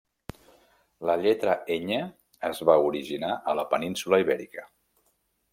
La lletra Ñ es va originar a la península Ibèrica.